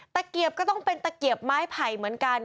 เกียบก็ต้องเป็นตะเกียบไม้ไผ่เหมือนกัน